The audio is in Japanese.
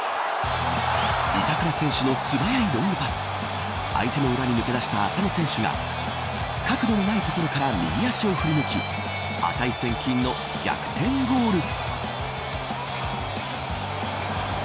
板倉選手の素早いロングパス相手の裏に抜け出した浅野選手が角度のない所から右足を振り抜き値千金の逆転ゴール。